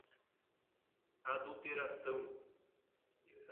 adulteração